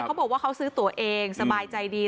เขาบอกว่าเขาซื้อตัวเองสบายใจดี